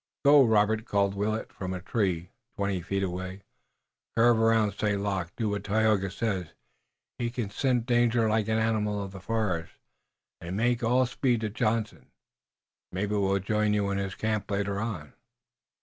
"Go, Robert!" called Willet from a tree twenty feet away. "Curve around St. Luc. Do what Tayoga says he can scent danger like an animal of the forest and make all speed to Johnson. Maybe we'll join you in his camp later on."